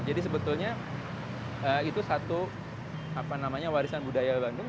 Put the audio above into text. jadi sebetulnya itu satu warisan budaya bandung